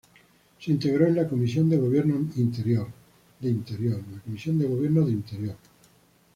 Se integró a la Comisión de Gobierno Interior.